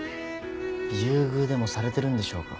優遇でもされてるんでしょうか。